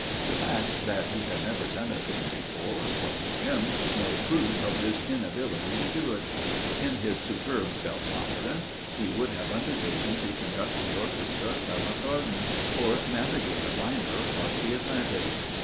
The fact that he had never done a thing before was to him no proof of his inability to do it. In his superb self confidence he would have undertaken to conduct the orchestra at Covent Garden or navigate a liner across the Atlantic.